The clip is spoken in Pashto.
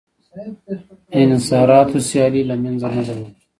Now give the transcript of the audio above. انحصاراتو سیالي له منځه نه ده وړې